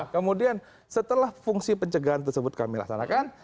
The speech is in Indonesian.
kemudian setelah fungsi pencegahan tersebut kami laksanakan